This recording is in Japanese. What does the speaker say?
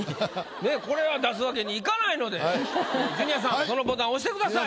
ねえこれは出すわけにいかないのでジュニアさんそのボタン押してください。